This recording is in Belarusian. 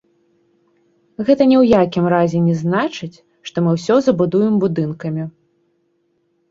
Гэта ні ў якім разе не значыць, што мы ўсё забудуем будынкамі.